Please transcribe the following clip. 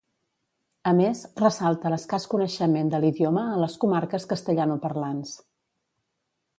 A més, ressalta l'escàs coneixement de l'idioma a les comarques castellanoparlants.